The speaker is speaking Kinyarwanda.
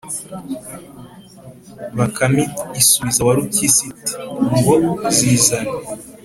“bakame isubiza warupyisi iti: “ngo zizana!